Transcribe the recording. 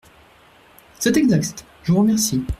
C’est exact, je vous remercie.